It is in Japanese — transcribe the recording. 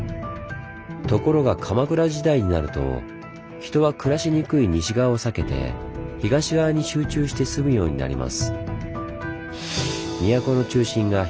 ところが鎌倉時代になると人は暮らしにくい西側を避けて東側に集中して住むようになります。